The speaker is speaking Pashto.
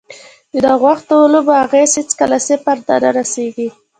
د ناغوښتو عواملو اغېز هېڅکله صفر ته نه رسیږي.